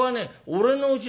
「俺のうち」。